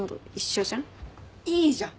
いいじゃん！